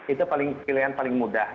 itu pilihan paling mudah